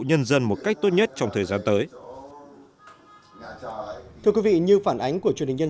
nhân dân một cách tốt nhất trong thời gian tới thưa quý vị như phản ánh của truyền hình nhân